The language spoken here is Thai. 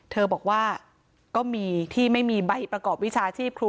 เธอบอกว่าก็มีที่ไม่มีใบประกอบวิชาชีพครู